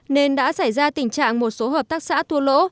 nên đã xảy ra tình trạng một số hợp tác xã thua lỗ